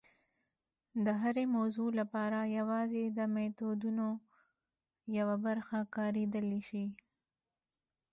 د هرې موضوع لپاره یوازې د میتودونو یوه برخه کارېدلی شي.